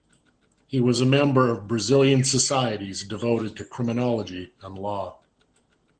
He was a member of Brazilian Societies devoted to criminology and law.